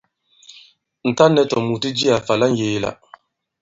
Ǹ tǎŋ nɛ̄ tòmùt i jiā fa la ŋyēe-la.